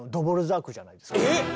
えっ！